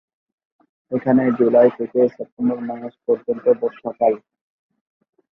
এখানে জুলাই থেকে সেপ্টেম্বর মাস পর্যন্ত বর্ষাকাল।